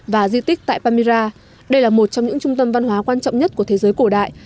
và di tích tại pamira đây là một trong những trung tâm văn hóa quan trọng nhất của thế giới cổ đại